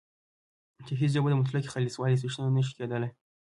چې هیڅ ژبه د مطلقې خالصوالي څښتنه نه شي کېدلای